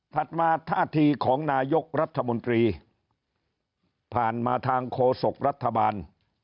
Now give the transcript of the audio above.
มาท่าทีของนายกรัฐมนตรีผ่านมาทางโฆษกรัฐบาล